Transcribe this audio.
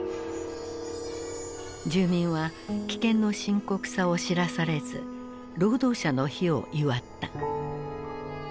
住民は危険の深刻さを知らされず労働者の日を祝った。